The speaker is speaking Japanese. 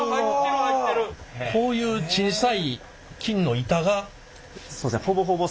こういう小さい金の板が？